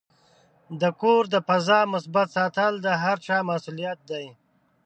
د کور د فضا مثبت ساتل د هر چا مسؤلیت دی.